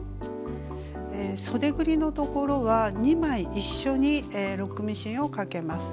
そでぐりのところは２枚一緒にロックミシンをかけます。